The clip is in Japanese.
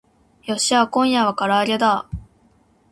よっしゃー今夜は唐揚げだ